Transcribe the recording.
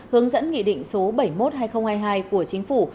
hướng dẫn nghị định số bảy mươi một hai nghìn hai mươi hai của chính phủ